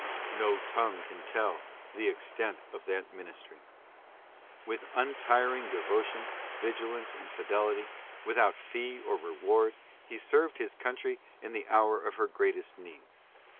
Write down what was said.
No tongue can tell the extent of that ministry. With untiring devotion, vigil ance and fidelity, without fee or reward, he served his country in the hour of her greatest need.